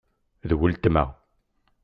D weltma.